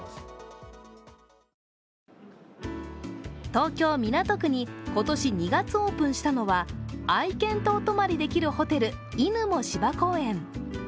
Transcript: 東京・港区に今年２月にオープンしたのは愛犬とお泊まりできるホテルｉｎｕｍｏ芝公園。